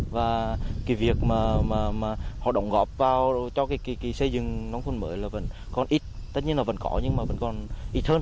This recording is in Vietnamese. và cái việc mà họ đóng góp vào cho cái xây dựng nông thôn mới là vẫn còn ít tất nhiên là vẫn có nhưng mà vẫn còn ít hơn